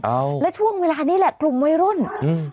เอาแล้วช่วงเวลานี้แหละกลุ่มวัยรุ่นอืม